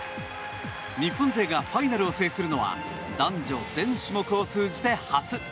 日本勢がファイナルを制するのは男女全種目を通じて初。